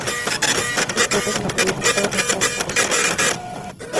Su pico y las patas son negras.